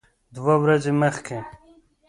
دوه ورځې مخکې